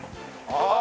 ああ！